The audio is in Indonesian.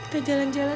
kita jalan jalan ya